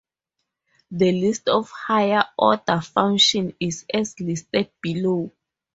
The list of higher order functions is as listed below.